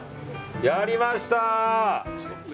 やりました！